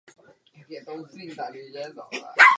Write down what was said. Tento druh je k vidění v expozici v horní části zoo.